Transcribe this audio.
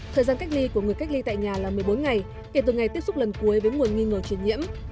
thời gian cách ly của người cách ly tại nhà là một mươi bốn ngày kể từ ngày tiếp xúc lần cuối với nguồn nghi ngờ truyền nhiễm